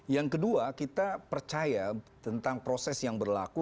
yang kedua kita percaya tentang proses yang berlaku